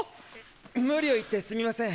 無理を言ってすみません。